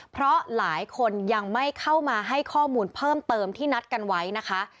เพราะหลายคนยังไม่เข้ามาให้ข้อมูลเพิ่มเติมที่นัดกันไว้นะคะ